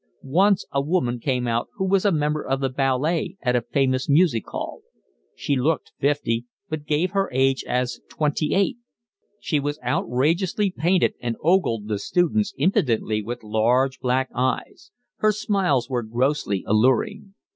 Once a woman came who was a member of the ballet at a famous music hall. She looked fifty, but gave her age as twenty eight. She was outrageously painted and ogled the students impudently with large black eyes; her smiles were grossly alluring.